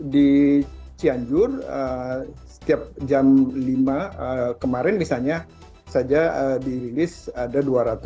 di cianjur setiap jam lima kemarin misalnya saja dirilis ada dua ratus